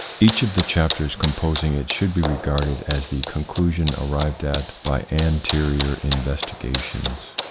Each of the chapters composing it should be regarded as the con clusion arrived at by anterior investigations.